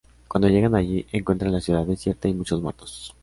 Cuando llegan allí, encuentran la ciudad desierta y muchos muertos.